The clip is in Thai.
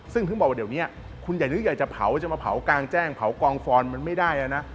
ซึ่งถึงบอกว่าเดี๋ยวนี้คุณใหญ่หรืออยากจะเผาจะมาเผากลางแจ้งเผากองฟอนมันไม่ได้นะ